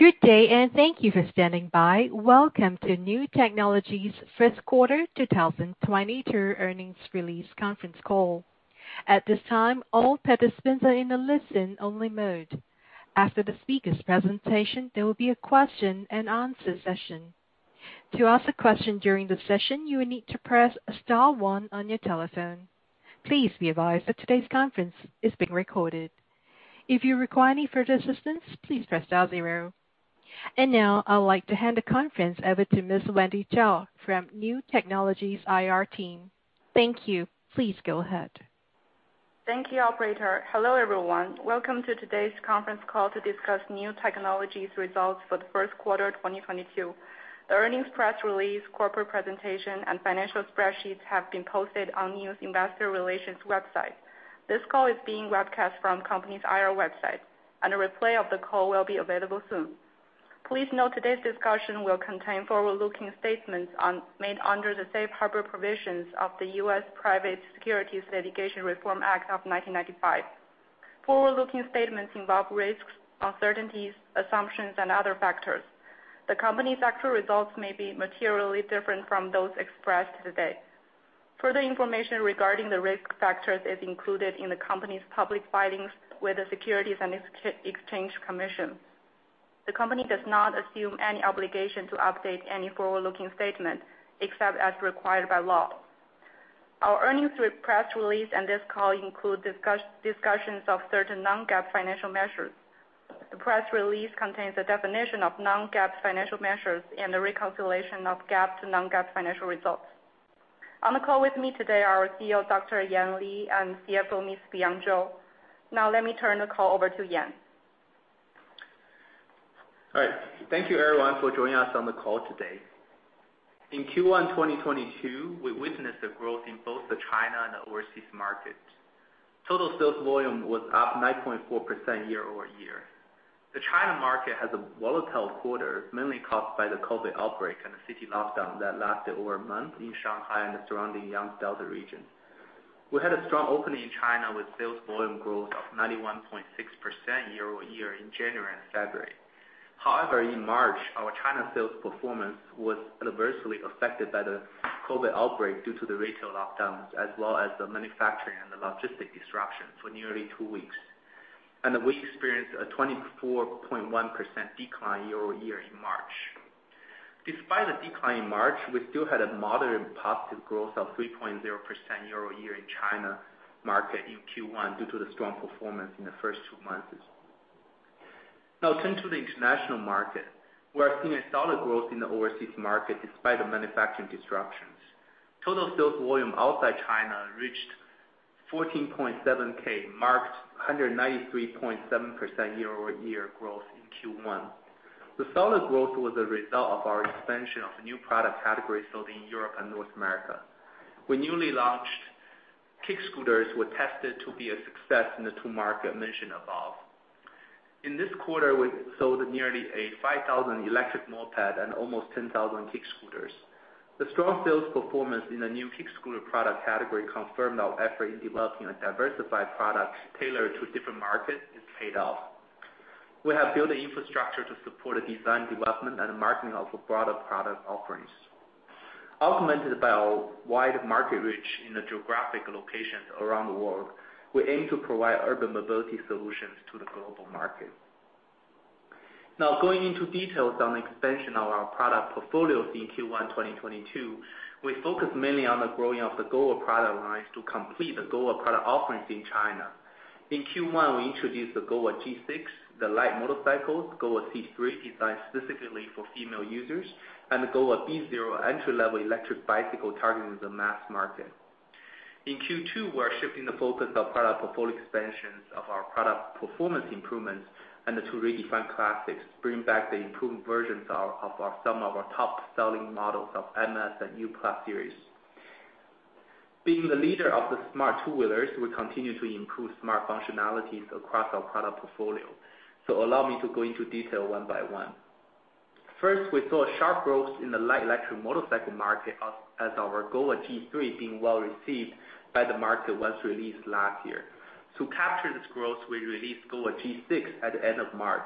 Good day, thank you for standing by. Welcome to Niu Technologies' First Quarter 2022 Earnings Release Conference Call. At this time, all participants are in a listen-only mode. After the speakers' presentation, there will be a question and answer session. To ask a question during the session, you will need to press star one on your telephone. Please be advised that today's conference is being recorded. If you require any further assistance, please press star zero. Now, I would like to hand the conference over to Ms. Wendy Zhao from Niu Technologies IR team. Thank you. Please go ahead. Thank you, operator. Hello, everyone. Welcome to today's conference call to discuss Niu Technologies results for the first quarter 2022. The earnings press release, corporate presentation, and financial spreadsheets have been posted on Niu's Investor Relations website. This call is being webcast from the company's IR website, and a replay of the call will be available soon. Please note today's discussion will contain forward-looking statements made under the Safe Harbor provisions of the U.S. Private Securities Litigation Reform Act of 1995. Forward-looking statements involve risks, uncertainties, assumptions, and other factors. The company's actual results may be materially different from those expressed today. Further information regarding the risk factors is included in the company's public filings with the Securities and Exchange Commission. The company does not assume any obligation to update any forward-looking statement, except as required by law. Our earnings press release and this call include discussions of certain non-GAAP financial measures. The press release contains a definition of non-GAAP financial measures and a reconciliation of GAAP to non-GAAP financial results. On the call with me today are our CEO, Dr. Yan Li, and CFO, Ms. Fion Zhou. Now let me turn the call over to Yan Li. All right, thank you everyone for joining us on the call today. In Q1 2022, we witnessed a growth in both the China and the overseas markets. Total sales volume was up 9.4% year-over-year. The China market has a volatile quarter, mainly caused by the COVID outbreak and the city lockdown that lasted over a month in Shanghai and the surrounding Yangtze Delta region. We had a strong opening in China with sales volume growth of 91.6% year-over-year in January and February. However, in March, our China sales performance was adversely affected by the COVID outbreak due to the retail lockdowns, as well as the manufacturing and the logistic disruptions for nearly two weeks. We experienced a 24.1% decline year-over-year in March. Despite the decline in March, we still had a moderate positive growth of 3.0% year-over-year in China market in Q1 due to the strong performance in the first two months. Now turning to the international market. We are seeing a solid growth in the overseas market despite the manufacturing disruptions. Total sales volume outside China reached 14.7K, marked a 193.7% year-over-year growth in Q1. The solid growth was a result of our expansion of new product categories sold in Europe and North America. We newly launched kick scooters were tested to be a success in the two markets I mentioned above. In this quarter, we sold nearly 5,000 electric mopeds and almost 10,000 kick scooters. The strong sales performance in the new kick scooter product category confirmed our effort in developing a diversified product tailored to different markets has paid off. We have built the infrastructure to support the design, development, and marketing of a broader product offerings. Augmented by our wide market reach in the geographic locations around the world, we aim to provide urban mobility solutions to the global market. Now, going into details on the expansion of our product portfolios in Q1 2022, we focus mainly on the growing of the GOVA product lines to complete the GOVA product offerings in China. In Q1, we introduced the GOVA G6, the light motorcycles, GOVA C3, designed specifically for female users, and the GOVA B0 entry-level electric bicycle targeting the mass market. In Q2, we're shifting the focus of product portfolio expansions of our product performance improvements and the two redefined classics, bringing back the improved versions of some of our top-selling models of M-Series and UQi+ series. Being the leader of the smart two-wheelers, we continue to improve smart functionalities across our product portfolio. Allow me to go into detail one by one. First, we saw a sharp growth in the light electric motorcycle market as our GOVA G3 being well received by the market was released last year. To capture this growth, we released GOVA G6 at the end of March.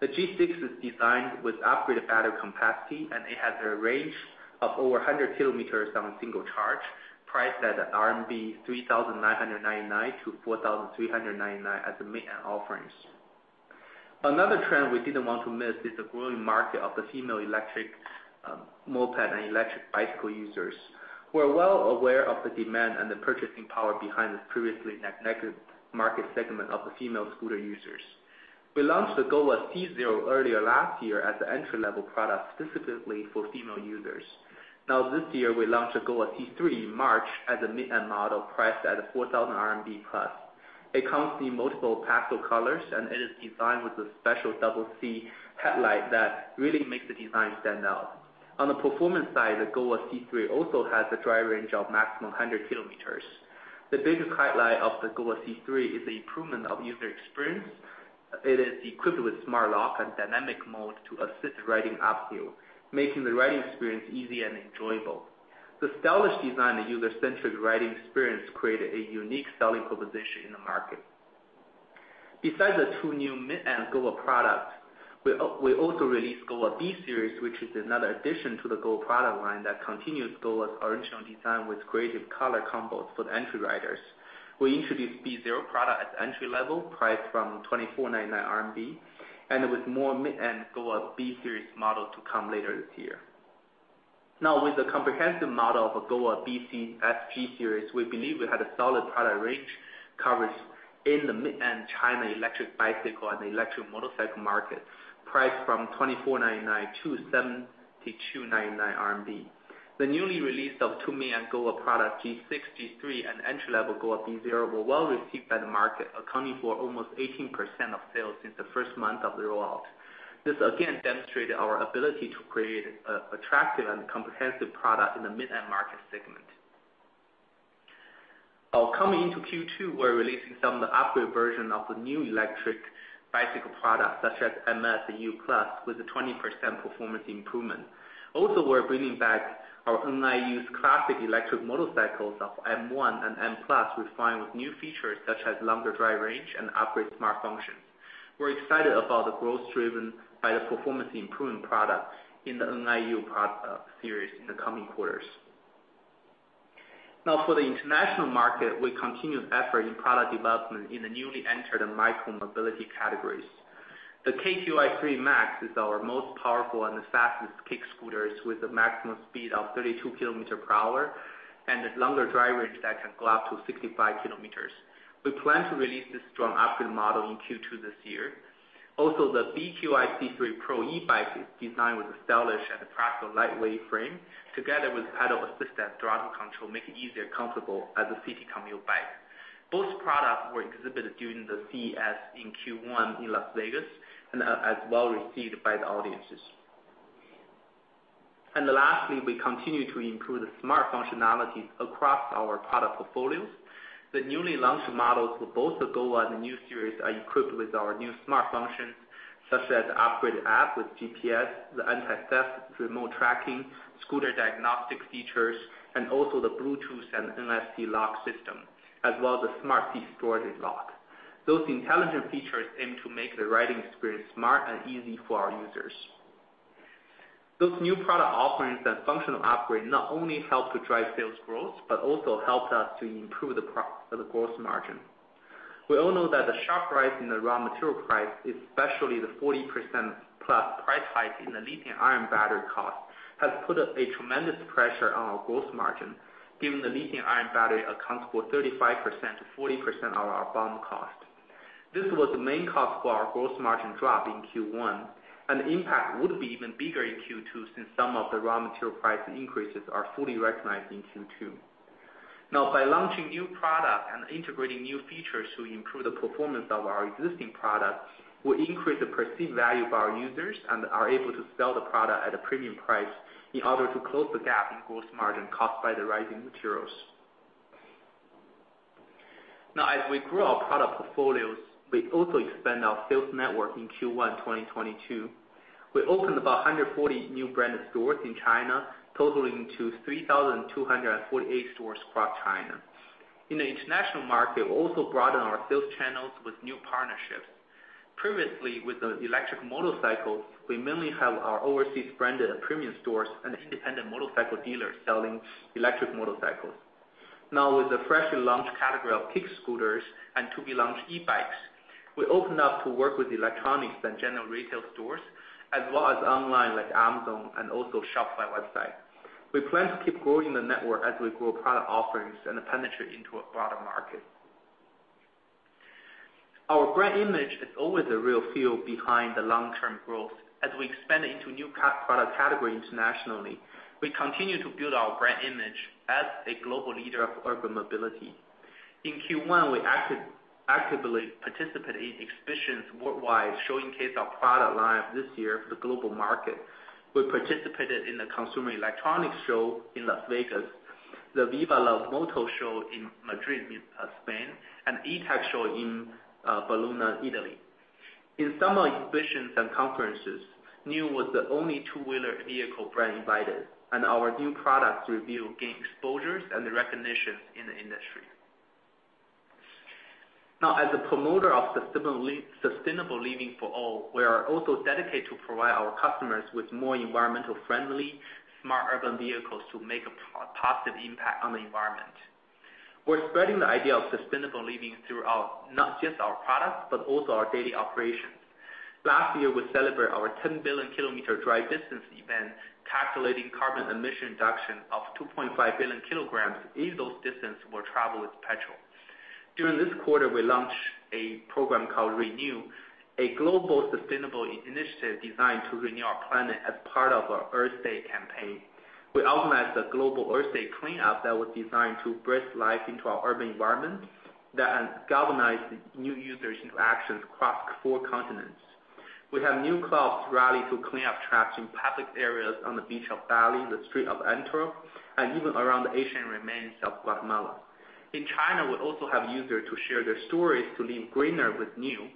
The G6 is designed with upgraded battery capacity, and it has a range of over 100 km on a single charge, priced at 3,999-4,399 RMB as the main offerings. Another trend we didn't want to miss is the growing market of the female electric moped and electric bicycle users. We're well aware of the demand and the purchasing power behind the previously negative market segment of the female scooter users. We launched the GOVA C0 earlier last year as an entry-level product specifically for female users. Now, this year, we launched the GOVA C3 in March as a mid-end model priced at 4,000 RMB plus. It comes in multiple pastel colors, and it is designed with a special double C headlight that really makes the design stand out. On the performance side, the GOVA C3 also has a driving range of maximum 100 km. The biggest highlight of the GOVA C3 is the improvement of user experience. It is equipped with Smart Lock and Dynamic Mode to assist riding uphill, making the riding experience easy and enjoyable. The stylish design and user-centric riding experience created a unique selling proposition in the market. Besides the two new mid-end GOVA product, we also released GOVA B series, which is another addition to the GOVA product line that continues GOVA's original design with creative color combos for the entry riders. We introduced B0 product at the entry level, priced from 2,499 RMB, and with more mid-end GOVA B series model to come later this year. Now, with the comprehensive model of a GOVA B/C/S/G series, we believe we have a solid product range covers in the mid-end China electric bicycle and electric motorcycle market, priced from 2,499-7,299 RMB. The newly released GOVA products G6, G3, and entry-level GOVA B0 were well received by the market, accounting for almost 18% of sales since the first month of the rollout. This again demonstrated our ability to create attractive and comprehensive products in the mid-end market segment. Now coming into Q2, we're releasing some of the upgraded versions of the new electric bicycle products, such as MQi+ with a 20% performance improvement. Also, we're bringing back our NIU classic electric motorcycles M1 and M+ refined with new features such as longer drive range and upgraded smart functions. We're excited about the growth driven by the performance improvement products in the NIU series in the coming quarters. Now, for the international market, we continue efforts in product development in the newly entered micro-mobility categories. The KQi3 Max is our most powerful and the fastest kick scooters with a maximum speed of 32 km per hour and a longer drive range that can go up to 65 km. We plan to release this strong upgrade model in Q2 this year. The BQi3 Pro e-bike is designed with a stylish and practical lightweight frame, together with pedal assistant throttle control, make it easier and comfortable as a city commute bike. Both products were exhibited during the CES in Q1 in Las Vegas and are as well received by the audiences. Lastly, we continue to improve the smart functionalities across our product portfolios. The newly launched models for both the GOVA and the new series are equipped with our new smart functions, such as upgraded app with GPS, the anti-theft, remote tracking, scooter diagnostic features, and also the Bluetooth and NFC lock system, as well as the smart seat storage and lock. Those intelligent features aim to make the riding experience smart and easy for our users. Those new product offerings and functional upgrade not only help to drive sales growth, but also help us to improve the gross margin. We all know that the sharp rise in the raw material price, especially the 40%+ price hike in the lithium-ion battery cost, has put a tremendous pressure on our gross margin, given the lithium-ion battery accounts for 35%-40% of our BOM cost. This was the main cause for our gross margin drop in Q1, and the impact would be even bigger in Q2, since some of the raw material price increases are fully recognized in Q2. Now, by launching new product and integrating new features to improve the performance of our existing product, we increase the perceived value of our users and are able to sell the product at a premium price in order to close the gap in gross margin caused by the rising materials. Now, as we grow our product portfolios, we also expand our sales network in Q1 2022. We opened about 140 new branded stores in China, totaling to 3,248 stores across China. In the international market, we also broaden our sales channels with new partnerships. Previously, with the electric motorcycles, we mainly have our overseas branded premium stores and independent motorcycle dealers selling electric motorcycles. Now, with the freshly launched category of kick scooters and to-be-launched e-bikes, we opened up to work with electronics and general retail stores as well as online, like Amazon and also Shopify website. We plan to keep growing the network as we grow product offerings and to penetrate into a broader market. Our brand image is always the real fuel behind the long-term growth. As we expand into new product category internationally, we continue to build our brand image as a global leader of urban mobility. In Q1, we actively participated in exhibitions worldwide, showcasing our product line this year for the global market. We participated in the Consumer Electronics Show in Las Vegas, the Vive la Moto show in Madrid, Spain, and EICMA show in Milan, Italy. In some exhibitions and conferences, NIU was the only two-wheeler vehicle brand invited, and our new products review gained exposure and recognition in the industry. Now, as a promoter of sustainable living for all, we are also dedicated to provide our customers with more environmentally friendly, smart urban vehicles to make a positive impact on the environment. We're spreading the idea of sustainable living throughout not just our products, but also our daily operations. Last year, we celebrate our 10 billion kilometer drive distance event, calculating carbon emission reduction of 2.5 billion kilograms if those distance were traveled with petrol. During this quarter, we launched a program called ReNIU, a global sustainable initiative designed to renew our planet as part of our Earth Day campaign. We organized a global Earth Day cleanup that was designed to breathe life into our urban environment that galvanized new users into actions across four continents. We have new clubs rally to clean up trash in public areas on the beach of Bali, the street of Antwerp, and even around the ancient remains of Guatemala. In China, we also have users to share their stories to live greener with NIU.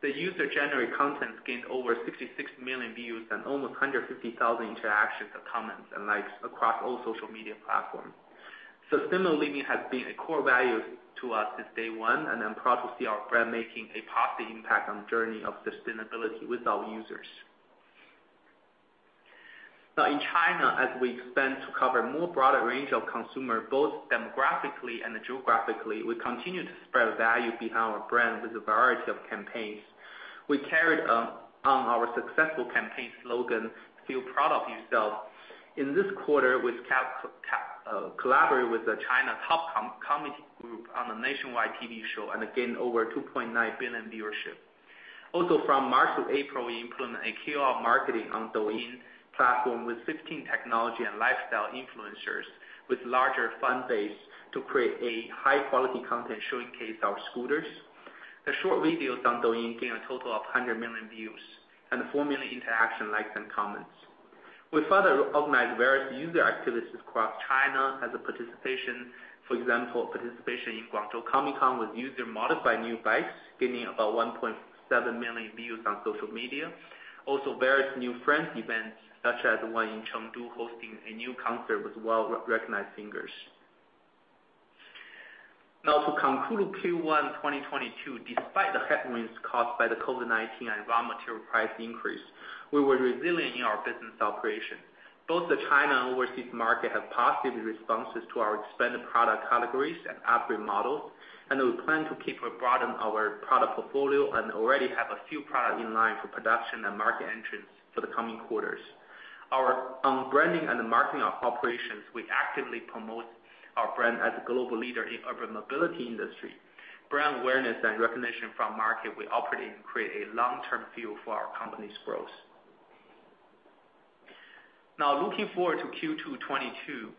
The user-generated content gained over 66 million views and almost 150,000 interactions of comments and likes across all social media platforms. Sustainable living has been a core value to us since day one, and I'm proud to see our brand making a positive impact on journey of sustainability with our users. Now in China, as we expand to cover more broader range of consumer, both demographically and geographically, we continue to spread value behind our brand with a variety of campaigns. We carried on our successful campaign slogan, "Feel proud of yourself." In this quarter, we collaborate with the China top comedy group on a nationwide TV show and again, over 2.9 billion viewership. Also from March to April, we implement a QR marketing on Douyin platform with 15 technology and lifestyle influencers with larger fan base to create a high-quality content showcasing our scooters. The short videos on Douyin gained a total of 100 million views and four million interaction likes and comments. We further organized various user activities across China as a participation. For example, participation in Guangzhou Comic-Con with user modify new bikes, gaining about 1.7 million views on social media. Various new friends events, such as the one in Chengdu, hosting a new concert with well-recognized singers. Now to conclude Q1 2022, despite the headwinds caused by the COVID-19 and raw material price increase, we were resilient in our business operation. Both the China and overseas market have positive responses to our expanded product categories and upgrade models, and we plan to keep on broaden our product portfolio and already have a few product in line for production and market entrance for the coming quarters. Our branding and marketing operations, we actively promote our brand as a global leader in urban mobility industry. Brand awareness and recognition from market we operate in create a long-term view for our company's growth. Now looking forward to Q2 2022,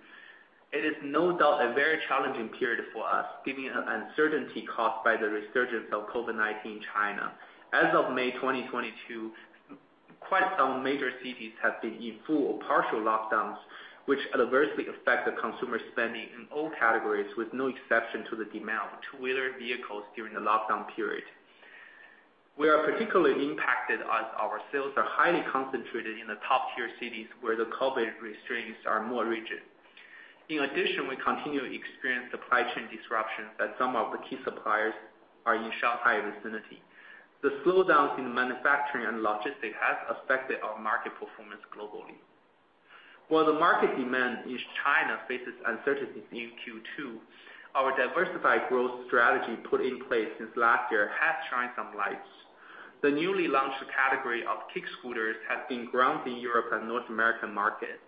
it is no doubt a very challenging period for us, given the uncertainty caused by the resurgence of COVID-19 in China. As of May 2022, quite some major cities have been in full or partial lockdowns, which adversely affect the consumer spending in all categories, with no exception to the demand of two-wheeler vehicles during the lockdown period. We are particularly impacted as our sales are highly concentrated in the top-tier cities where the COVID restraints are more rigid. In addition, we continue to experience supply chain disruptions that some of the key suppliers are in Shanghai vicinity. The slowdowns in manufacturing and logistics has affected our market performance globally. While the market demand in China faces uncertainties in Q2, our diversified growth strategy put in place since last year has shined some lights. The newly launched category of kick scooters has been growing in Europe and North American market.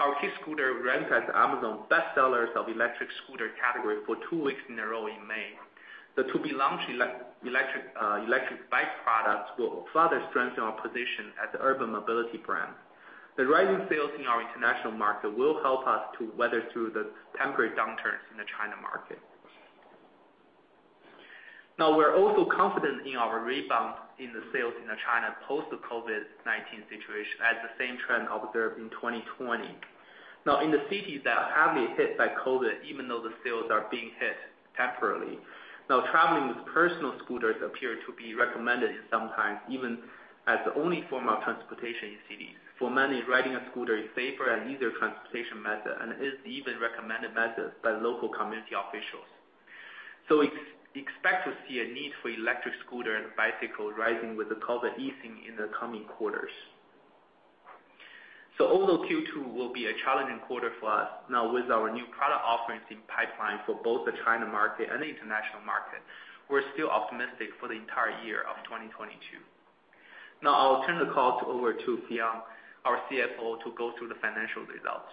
Our kick scooter ranked as Amazon's best sellers of electric scooter category for two weeks in a row in May. The to-be-launched electric bike products will further strengthen our position as urban mobility brand. The rising sales in our international market will help us to weather through the temporary downturns in the China market. Now, we're also confident in our rebound in the sales in the China post the COVID-19 situation, as the same trend observed in 2020. Now, in the cities that are heavily hit by COVID, even though the sales are being hit temporarily. Now, traveling with personal scooters appear to be recommended in some times, even as the only form of transportation in cities. For many, riding a scooter is safer and easier transportation method, and is the even recommended method by local community officials. Expect to see a need for electric scooter and bicycle rising with the COVID easing in the coming quarters. Although Q2 will be a challenging quarter for us, now with our new product offerings in the pipeline for both the China market and the international market, we're still optimistic for the entire year of 2022. Now I'll turn the call over to Fion Zhou, our CFO, to go through the financial results.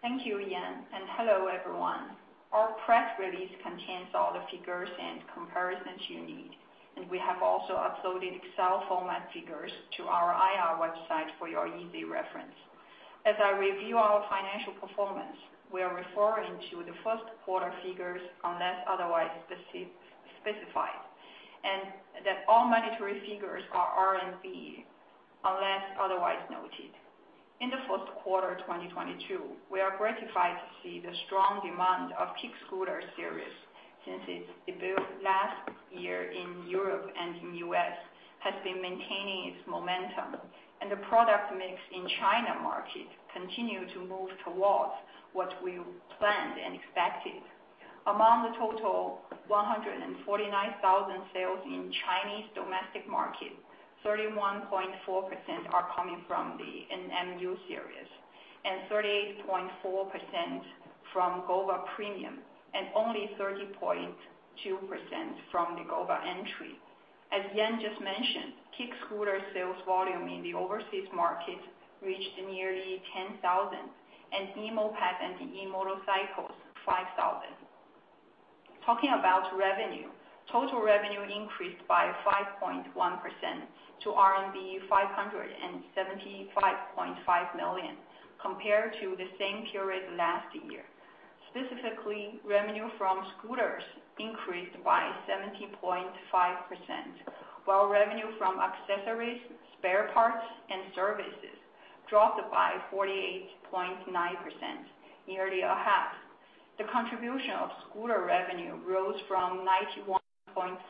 Thank you, Yan Li, and hello, everyone. Our press release contains all the figures and comparisons you need, and we have also uploaded Excel format figures to our IR website for your easy reference. As I review our financial performance, we are referring to the first quarter figures unless otherwise specified, and that all monetary figures are RMB, unless otherwise noted. In the first quarter 2022, we are gratified to see the strong demand of kick scooter series since its debut last year in Europe and in U.S., has been maintaining its momentum. The product mix in China market continue to move towards what we planned and expected. Among the total 149,000 sales in Chinese domestic market, 31.4% are coming from the NIU series, and 38.4% from GOVA Premium, and only 30.2% from the GOVA Entry. As Yan Li just mentioned, kick scooter sales volume in the overseas market reached nearly 10,000, and NIU moped and the e-motorcycles, 5,000. Talking about revenue, total revenue increased by 5.1% to RMB 575.5 million, compared to the same period last year. Specifically, revenue from scooters increased by 17.5%, while revenue from accessories, spare parts, and services dropped by 48.9%, nearly a half. The contribution of scooter revenue rose from 81.3%-90.9%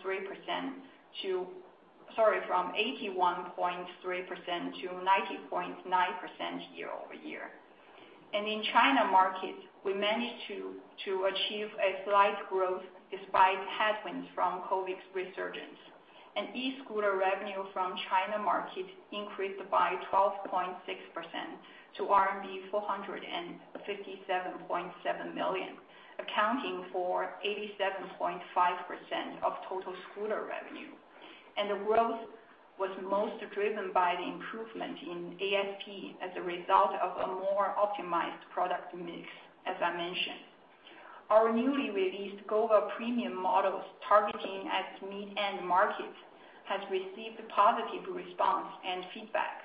year-over-year. In China market, we managed to achieve a slight growth despite headwinds from COVID's resurgence. E-scooter revenue from China market increased by 12.6% to RMB 457.7 million, accounting for 87.5% of total scooter revenue. The growth was most driven by the improvement in ASP as a result of a more optimized product mix, as I mentioned. Our newly released GOVA Premium models targeting at mid-end market, has received positive response and feedback.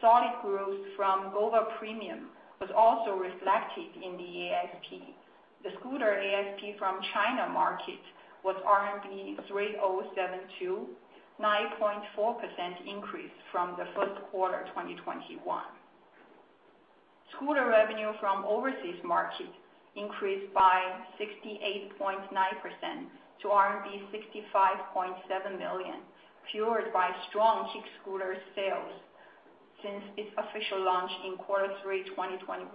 Solid growth from GOVA Premium was also reflected in the ASP. The scooter ASP from China market was RMB 3,072, 9.4% increase from the first quarter 2021. Scooter revenue from overseas market increased by 68.9% to RMB 65.7 million, fueled by strong kick scooter sales since its official launch in quarter three 2021.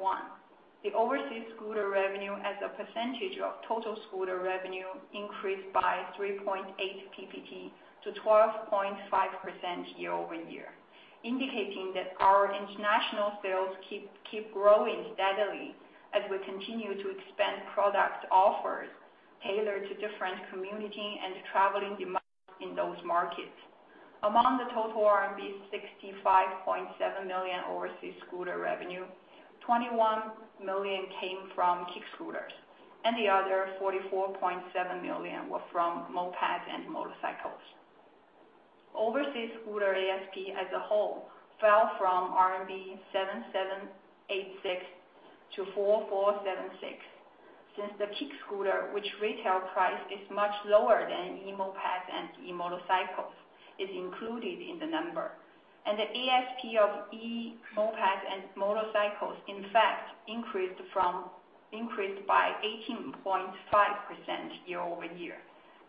The overseas scooter revenue as a percentage of total scooter revenue increased by 3.8 PPT to 12.5% year-over-year, indicating that our international sales keep growing steadily as we continue to expand product offers tailored to different community and traveling demands in those markets. Among the total RMB 65.7 million overseas scooter revenue, 21 million came from kick scooters, and the other 44.7 million were from mopeds and motorcycles. Overseas scooter ASP as a whole fell from RMB 7,786 to 4,476. Since the kick scooter, which retail price is much lower than e-mopeds and e-motorcycles, is included in the number. The ASP of e-mopeds and motorcycles, in fact, increased by 18.5% year-over-year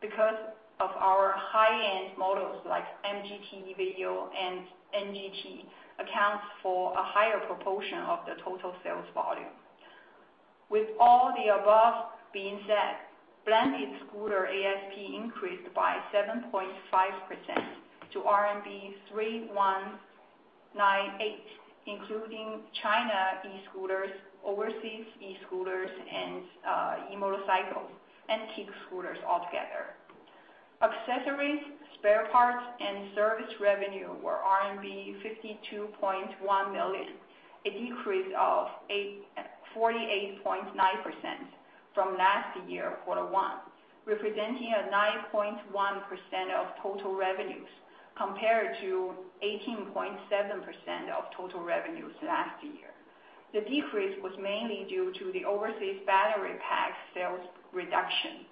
because of our high-end models like MQi GT and NQi GT accounts for a higher proportion of the total sales volume. Blended scooter ASP increased by 7.5% to RMB 3,198, including China e-scooters, overseas e-scooters and e-motorcycles and kick scooters altogether. Accessories, spare parts, and service revenue were RMB 52.1 million, a decrease of 48.9% from last year quarter one, representing a 9.1% of total revenues, compared to 18.7% of total revenues last year. The decrease was mainly due to the overseas battery pack sales reduction.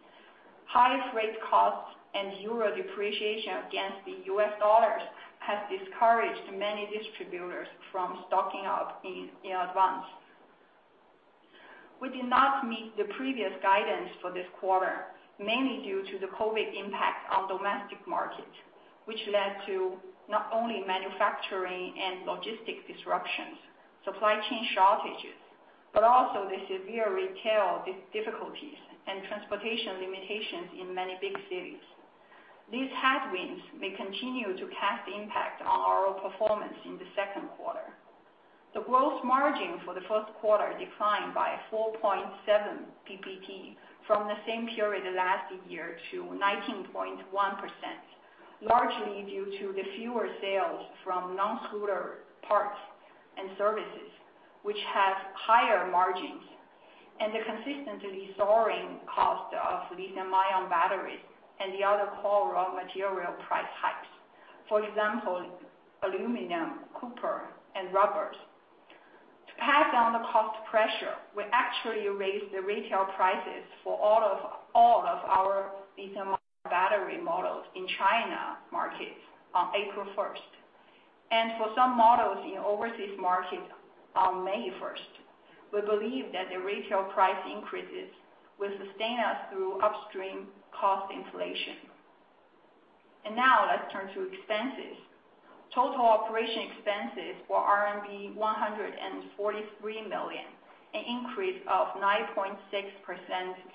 High freight costs and euro depreciation against the U.S. dollars has discouraged many distributors from stocking up in advance. We did not meet the previous guidance for this quarter, mainly due to the COVID impact on domestic market, which led to not only manufacturing and logistics disruptions, supply chain shortages, but also the severe retail difficulties and transportation limitations in many big cities. These headwinds may continue to cast impact on our performance in the second quarter. The gross margin for the first quarter declined by 4.7 PPT from the same period last year to 19.1%, largely due to the fewer sales from non-scooter parts and services, which have higher margins, and the consistently soaring cost of lithium-ion batteries and the other core raw material price hikes. For example, aluminum, copper, and rubbers. To pass down the cost pressure, we actually raised the retail prices for all of our lithium-ion battery models in China market on April first, and for some models in overseas market on May first. We believe that the retail price increases will sustain us through upstream cost inflation. Now let's turn to expenses. Total operating expenses were RMB 143 million, an increase of 9.6%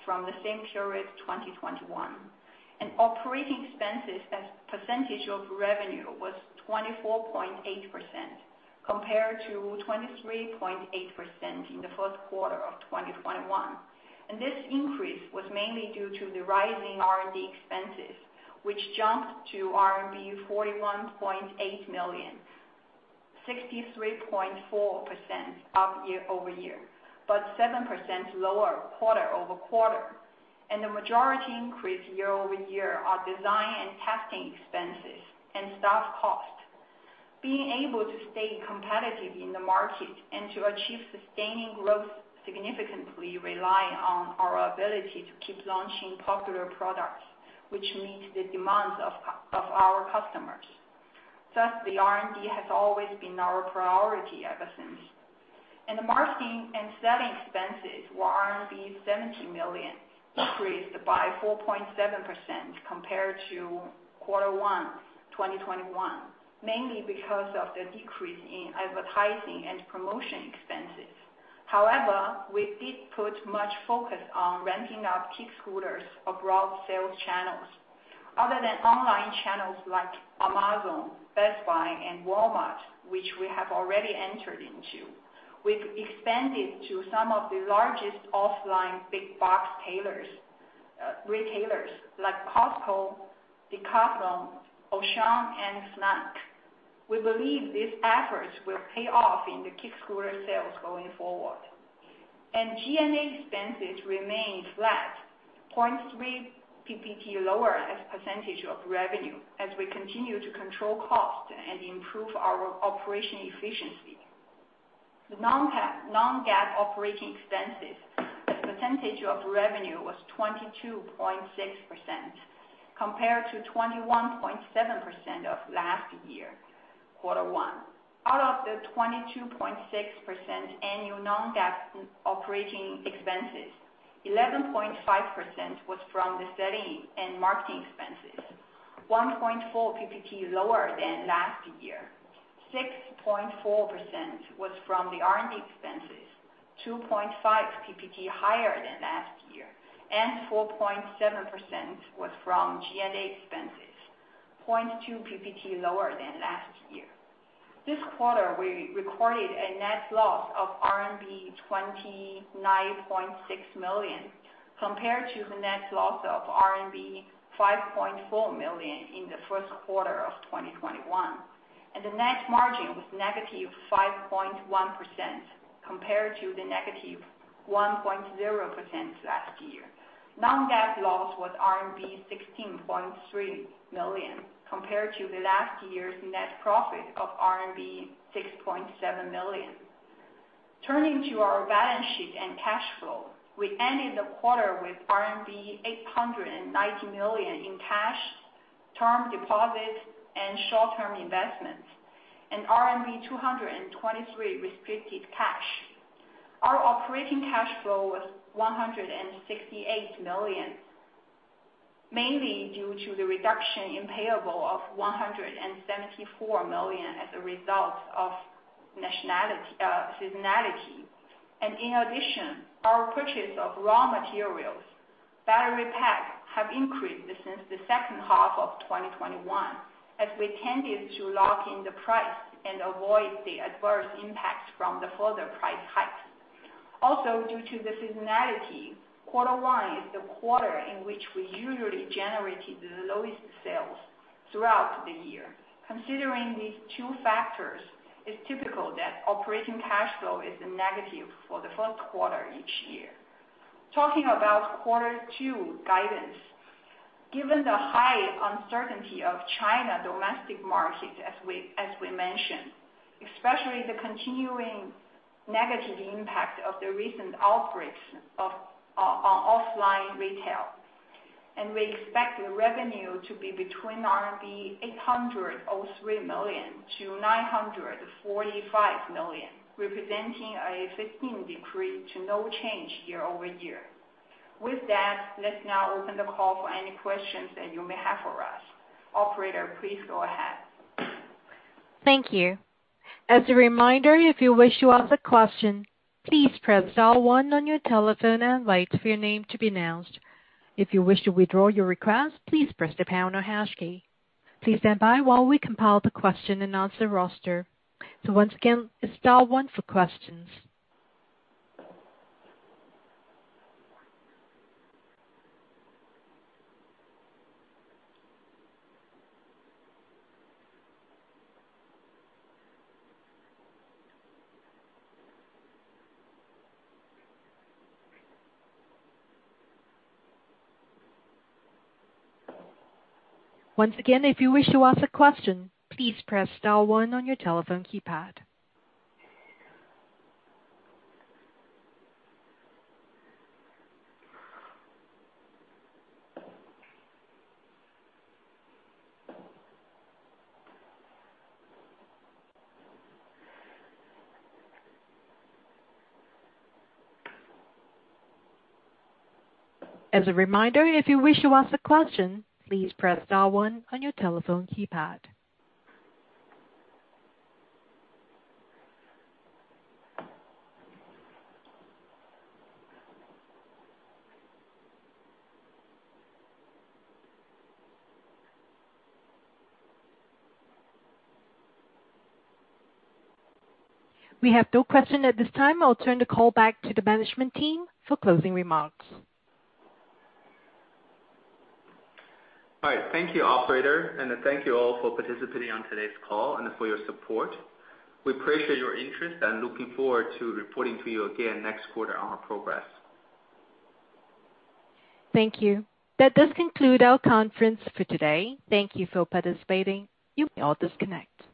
from the same period 2021. Operating expenses as percentage of revenue was 24.8%, compared to 23.8% in the first quarter of 2021. This increase was mainly due to the rising R&D expenses, which jumped to RMB 41.8 million, 63.4% up year-over-year, but 7% lower quarter-over-quarter. The majority increase year-over-year are design and testing expenses and staff costs. Being able to stay competitive in the market and to achieve sustaining growth significantly rely on our ability to keep launching popular products which meet the demands of our customers. Thus, the R&D has always been our priority ever since. The marketing and selling expenses were 70 million, increased by 4.7% compared to quarter one 2021, mainly because of the decrease in advertising and promotion expenses. However, we did put much focus on ramping up kick scooters abroad sales channels. Other than online channels like Amazon, Best Buy, and Walmart, which we have already entered into, we've expanded to some of the largest offline big box retailers like Costco, Decathlon, Auchan, and Fnac. We believe these efforts will pay off in the kick scooter sales going forward. G&A expenses remained flat, 0.3 PPT lower as percentage of revenue as we continue to control cost and improve our operation efficiency. The non-GAAP operating expenses as percentage of revenue was 22.6% compared to 21.7% of last year, quarter one. Out of the 22.6% annual non-GAAP operating expenses, 11.5% was from the selling and marketing expenses, 1.4 PPT lower than last year. 6.4% was from the R&D expenses, 2.5 PPT higher than last year, and 4.7% was from G&A expenses, 0.2 PPT lower than last year. This quarter, we recorded a net loss of RMB 29.6 million compared to the net loss of RMB 5.4 million in the first quarter of 2021, and the net margin was -5.1% compared to the -1.0% last year. Non-GAAP loss was RMB 16.3 million compared to the last year's net profit of RMB 6.7 million. Turning to our balance sheet and cash flow, we ended the quarter with RMB 890 million in cash, term deposits, and short-term investments and RMB 223 restricted cash. Our operating cash flow was 168 million, mainly due to the reduction in payable of 174 million as a result of seasonality. In addition, our purchase of raw materials, battery packs have increased since the second half of 2021 as we tended to lock in the price and avoid the adverse impacts from the further price hike. Also, due to the seasonality, quarter one is the quarter in which we usually generated the lowest sales throughout the year. Considering these two factors, it's typical that operating cash flow is negative for the first quarter each year. Talking about quarter two guidance, given the high uncertainty of China domestic market as we mentioned, especially the continuing negative impact of the recent outbreaks on offline retail, and we expect the revenue to be between RMB 803 million and 945 million, representing a 15% decrease to no change year-over-year. With that, let's now open the call for any questions that you may have for us. Operator, please go ahead. Thank you. As a reminder, if you wish to ask a question, please press star one on your telephone and wait for your name to be announced. If you wish to withdraw your request, please press the pound or hash key. Please stand by while we compile the question and announce the roster. Once again, it's star one for questions. Once again, if you wish to ask a question, please press star one on your telephone keypad. As a reminder, if you wish to ask a question, please press star one on your telephone keypad. We have no question at this time. I'll turn the call back to the management team for closing remarks. All right. Thank you, operator, and thank you all for participating on today's call and for your support. We appreciate your interest and looking forward to reporting to you again next quarter on our progress. Thank you. That does conclude our conference for today. Thank you for participating. You may all disconnect.